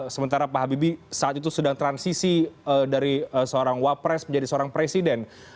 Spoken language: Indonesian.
sementara pak habibie saat itu sedang transisi dari seorang wapres menjadi seorang presiden